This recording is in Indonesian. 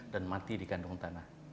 dan mati dikandung tanah